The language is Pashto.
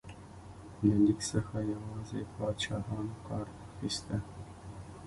له لیک څخه یوازې پاچاهانو کار اخیسته.